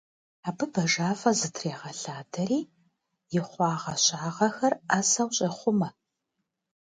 Абы бажафэ зытрегъэлъадэри и хъуагъэщагъэхэр ӏэзэу щӏехъумэ.